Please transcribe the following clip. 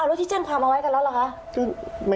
แล้วที่แจ้งความเอาไว้กันแล้วเหรอคะ